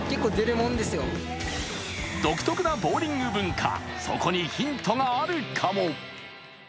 独特なボウリング文化、そこにヒントがあるかも。